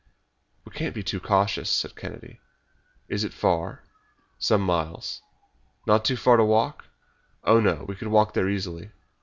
"We can't be too cautious," said Kennedy. "Is it far?" "Some miles." "Not too far to walk?" "Oh, no, we could walk there easily."